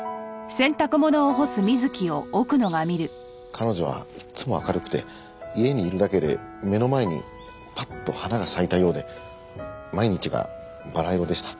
彼女はいつも明るくて家にいるだけで目の前にパッと花が咲いたようで毎日がバラ色でした。